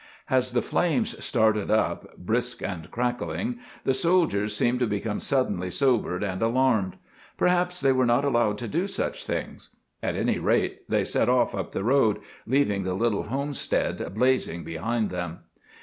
As the flames started up, brisk and crackling, the soldiers seemed to become suddenly sobered and alarmed. Perhaps they were not allowed to do such things. At any rate, they set off up the road, leaving the little homestead blazing behind them.